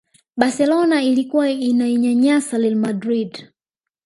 barcelona ilikuwa inainyanyasa real madrid